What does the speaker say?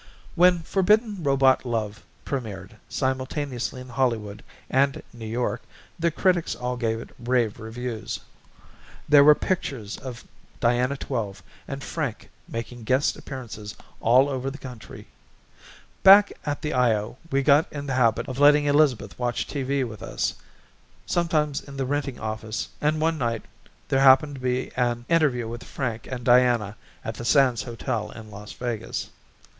When Forbidden Robot Love premiered simultaneously in Hollywood and New York the critics all gave it rave reviews. There were pictures of Diana Twelve and Frank making guest appearances all over the country. Back at the Io we got in the habit of letting Elizabeth watch TV with us sometimes in the Renting Office and one night there happened to be an interview with Frank and Diana at the Sands Hotel in Las Vegas.